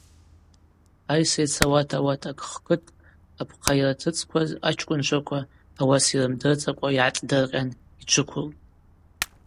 Айсра йцауата ауат акхкыткӏ апхъа йыртыцӏкваз ачкӏвынчваква ауаса, йрмдырдзакӏва йгӏацӏдыркъьан, йджвыквылтӏ.